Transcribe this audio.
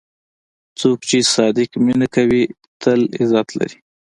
څوک چې صادق مینه کوي، تل عزت لري.